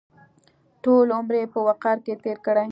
ټول عمر یې په وقار کې تېر کړی.